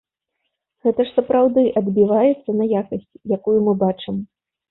Гэта ж сапраўды адбіваецца на якасці, якую мы бачым.